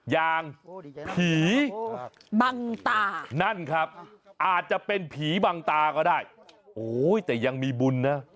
ยางผีนั่นครับอาจจะเป็นผีบังตาก็ได้โหแต่ยังมีบุญนะ